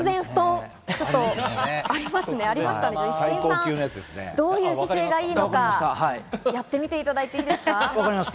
イシケンさん、どういう姿勢がいいのか、やってみていただいていいですか？